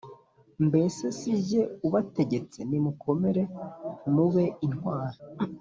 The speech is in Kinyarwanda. Mbese si jye ubategetse? Nimukomere mube intwari.”